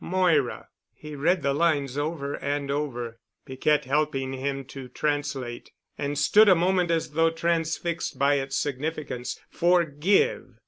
MOIRA." He read the lines over and over, Piquette helping him to translate, and stood a moment as though transfixed by its significance. "Forgive."